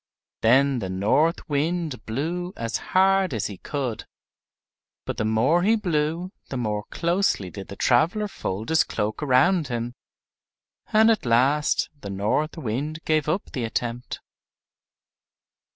Then the North Wind blew as hard as he could, but the more he blew the more closely did the traveler fold his cloak around him; and at last the North Wind gave up the attempt.